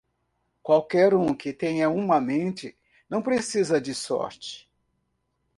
Qualquer um que tenha uma mente não precisa de sorte.